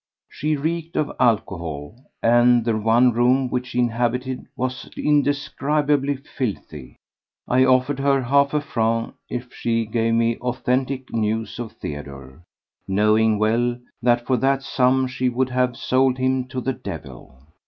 She reeked of alcohol, and the one room which she inhabited was indescribably filthy. I offered her half a franc if she gave me authentic news of Theodore, knowing well that for that sum she would have sold him to the devil.